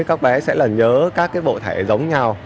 các bé sẽ là nhớ các cái bộ thẻ giống nhau